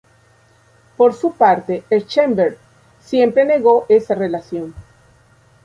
Por su parte, Schellenberg siempre negó esa relación.